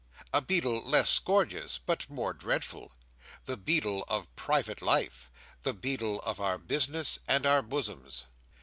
A beadle less gorgeous but more dreadful; the beadle of private life; the beadle of our business and our bosoms.